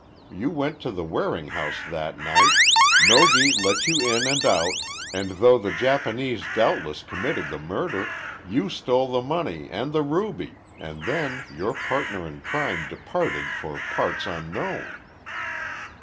You went to the Waring house that night, Nogi let you in and out, and though the Japanese doubtless committed the murder, you stole the money and the ruby, and then, your partner in crime departed for parts unknown."